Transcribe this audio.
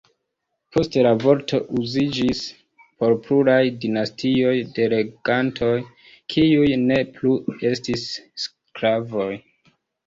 Poste la vorto uziĝis por pluraj dinastioj de regantoj, kiuj ne plu estis sklavoj.